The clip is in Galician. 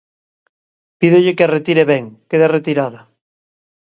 Pídolle que a retire Ben, queda retirada.